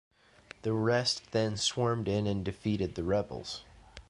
The rest then swarmed in and defeated the rebels.